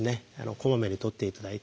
こまめにとっていただいて。